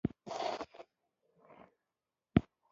بلا ورپسي پریده یﺉ